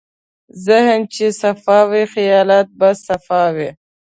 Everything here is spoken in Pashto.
ذهن چې صفا وي، خیالات به صفا وي.